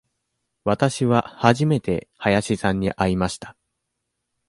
わたしは初めて林さんに会いました。